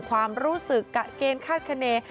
ความรู้สึกกับเกณฑ์คาดคณี